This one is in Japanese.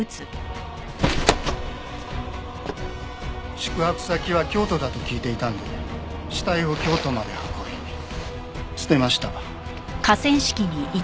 宿泊先は京都だと聞いていたんで死体を京都まで運び捨てました。